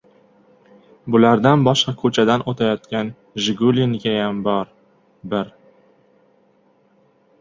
Bulardan boshqa ko‘chadan o‘tayotgan «Jiguli»nikiyam bor — bir!